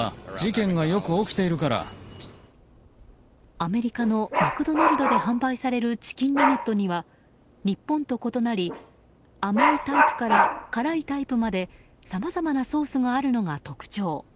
アメリカのマクドナルドで販売されるチキンナゲットには日本と異なり甘いタイプから辛いタイプまでさまざまなソースがあるのが特徴。